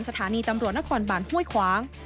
สถานีตำรวจนครบานห้วยขวาง